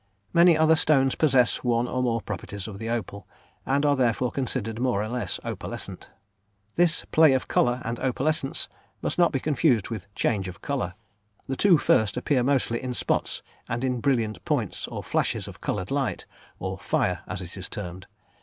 Many other stones possess one or more properties of the opal, and are therefore considered more or less opalescent. This "play of colour" and "opalescence," must not be confused with "change of colour." The two first appear mostly in spots and in brilliant points or flashes of coloured light, or "fire" as it is termed.